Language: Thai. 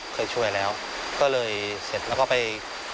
เคยช่วยแล้วก็เลยเสร็จแล้วก็ไป